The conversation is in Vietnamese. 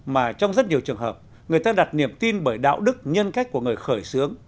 mà trong rất nhiều trường hợp người ta đặt niềm tin bởi đạo đức nhân cách của người khởi xướng